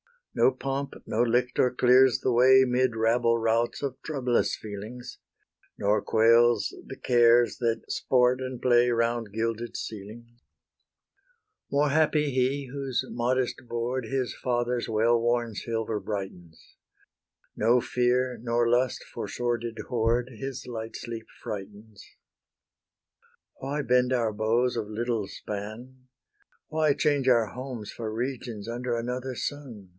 No pomp, no lictor clears the way 'Mid rabble routs of troublous feelings, Nor quells the cares that sport and play Round gilded ceilings. More happy he whose modest board His father's well worn silver brightens; No fear, nor lust for sordid hoard, His light sleep frightens. Why bend our bows of little span? Why change our homes for regions under Another sun?